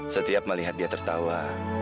setiap melihat dia tertawa